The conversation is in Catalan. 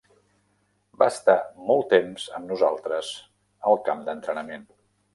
Va estar molt temps amb nosaltres al camp d'entrenament.